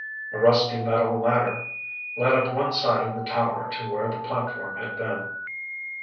A rusty metal ladder led up one side of the tower to where the platform had been.